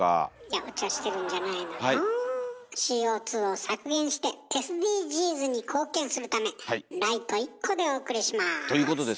ＣＯを削減してＳＤＧｓに貢献するためライト１個でお送りします。